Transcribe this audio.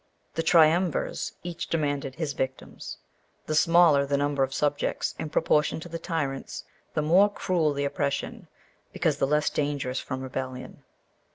The triumvirs each demanded his victims. The smaller the number of subjects in proportion to the tyrants, the more cruel the oppression, because the less danger from rebellion.